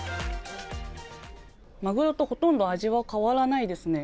マグロとほとんど味は変わらないですね。